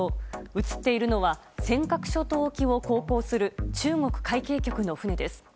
映っているのは尖閣諸島沖を航行する中国海警局の船です。